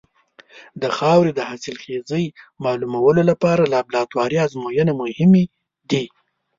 د خاورې د حاصلخېزۍ معلومولو لپاره لابراتواري ازموینې مهمې دي.